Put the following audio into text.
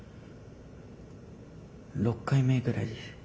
６回目ぐらいです。